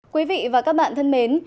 quý vị và các bạn thân mến